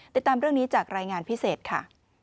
ติดตามเรื่องนี้จากรายงานพิเศษค่ะ